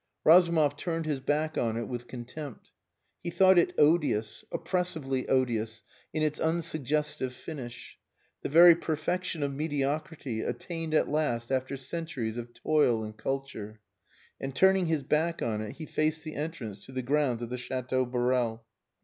Razumov turned his back on it with contempt. He thought it odious oppressively odious in its unsuggestive finish: the very perfection of mediocrity attained at last after centuries of toil and culture. And turning his back on it, he faced the entrance to the grounds of the Chateau Borel.